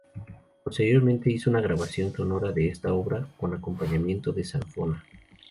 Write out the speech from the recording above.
Posteriormente hizo una grabación sonora de esta obra, con acompañamiento de zanfona.